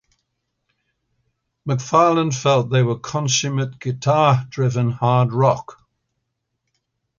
McFarlane felt they were "consummate, guitar-driven, hard rock".